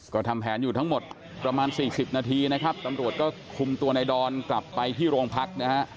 ก็ทำแผนอยู่ทั้งหมดประมาณสี่สิบนาทีนะครับตำรวจก็คุมตัวในดอนกลับไปที่โรงพักนะฮะ